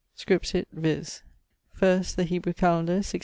Scripsit, viz.: first, The Hebrew Kalendar, 1678.